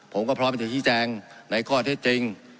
ผมก็พร้อมจะพิจารณ์ในข้อเท็จจริง